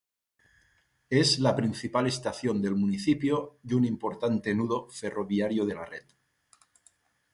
Es la principal estación del municipio y un importante nudo ferroviario de la red.